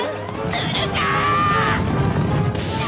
するかあ！